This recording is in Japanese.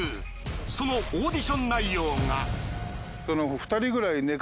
そのオーディション内容が。